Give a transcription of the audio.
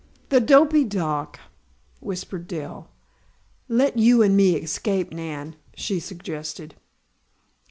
"The dopy doc," whispered Dell. "Let you and me escape, Nan," she suggested.